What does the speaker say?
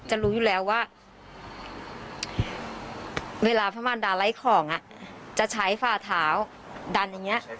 รู้อยู่แล้วว่าเวลาพระมารดาไล่ของจะใช้ฝ่าเท้าดันอย่างนี้